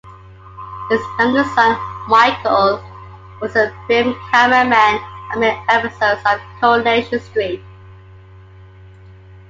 His youngest son, Michael, was a film cameraman on many episodes of "Coronation Street".